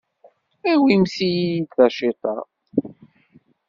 Awimt-iyi-d taciṭa.